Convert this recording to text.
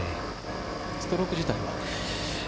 ストローク自体は？